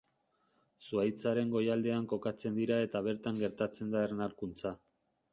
Zuhaitzaren goialdean kokatzen dira eta bertan gertatzen da ernalkuntza.